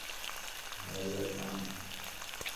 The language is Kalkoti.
میز رل نام۔